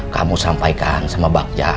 kamu sampaikan sama bagja